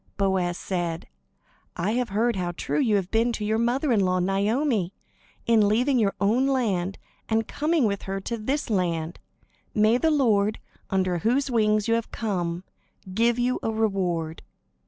Boaz said: "I have heard how true you have been to your mother in law Naomi, in leaving your own land and coming with her to this land. May the Lord, under whose wings you have come, give you a reward!"